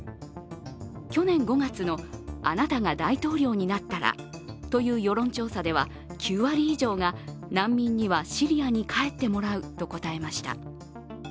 去年５月、「あなたが大統領になったら？」という世論調査では、９割以上が、難民にはシリアに帰ってもらうと答えました。